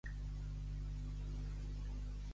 A Albocàsser, llops i a Tírig, rabosetes.